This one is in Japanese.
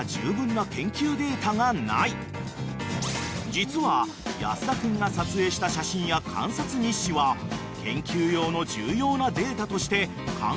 ［実は安田君が撮影した写真や観察日誌は研究用の重要なデータとして関係者に提供されている］